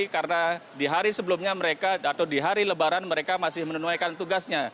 karena di hari sebelumnya mereka atau di hari lebaran mereka masih menenuaikan tugasnya